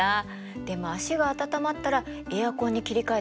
でも足が暖まったらエアコンに切り替えた方がいいわよ。